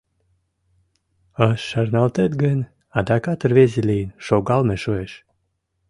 А шарналтет гын, адакат рвезе лийын шогалме шуэш.